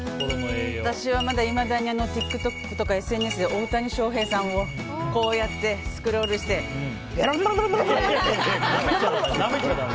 私はまだいまだにＴｉｋＴｏｋとかＳＮＳで大谷翔平さんを、こうやってスクロールしてベロベロベロって。